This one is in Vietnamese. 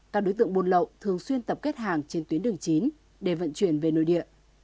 các đối tượng buôn lậu thường xuyên tập kết hàng trên tuyến đường chín để vận chuyển về nội địa